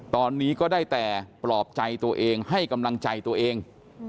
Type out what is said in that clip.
ตอนนี้ก็ได้แต่ปลอบใจตัวเองให้กำลังใจตัวเอง